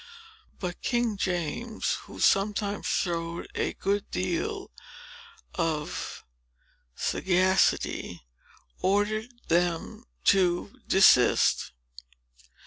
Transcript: But King James, who sometimes showed a good deal of sagacity, ordered them to desist.